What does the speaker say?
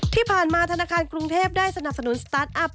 ที่ผ่านมาธนาคารกรุงเทพได้สนับสนุนสตาร์ทอัพ